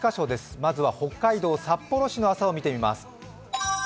まずは北海道札幌市の朝を見てみます。